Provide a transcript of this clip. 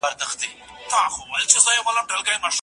او محترم دي بې توپیره